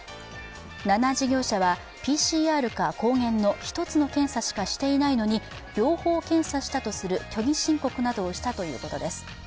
７事業者はＰＣＲか抗原の１つの検査しかしていないのに両方検査したとする虚偽申告などをしたということです。